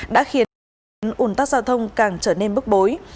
đã khiến điểm đen ủn tắc giao thông càng trở nên bức bối